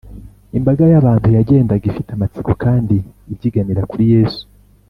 imbaga y’abantu yagendaga ifite amatsiko kandi ibyiganira kuri yesu,